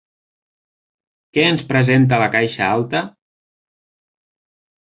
Què ens presenta la caixa alta?